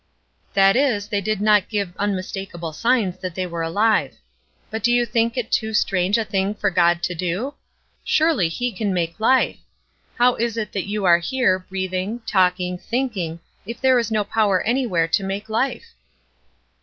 "That is, they did not give unmistakable signs that they were alive. But do you think it too strange a thing for God to do? Surely he can make life! How is it that you are here, breathing, talking, thinking, if there is no power anywhere to make life?"